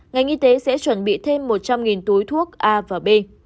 ngành y tế sẽ chuẩn bị thêm một trăm linh túi thuốc a và b